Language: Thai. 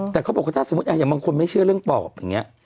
แต่เขาบอกว่าถ้าสมมุติอย่างบางคนไม่เชื่อเรื่องปอบอย่างนี้